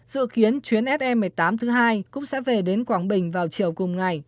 dự kiến chuyến se một mươi tám thứ hai cũng sẽ về đến quảng bình vào chiều cùng ngày